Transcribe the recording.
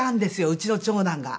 うちの長男が。